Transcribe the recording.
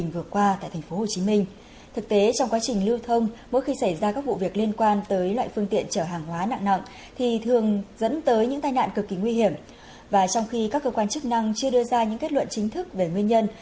và trong khi các cơ quan chức năng chưa đưa ra những kết luận chính thức về nguyên nhân